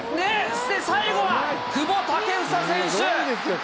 そして最後は、久保建英選手。